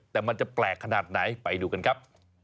แต่มันจะแปลกขนาดไหนไปดูกันครับ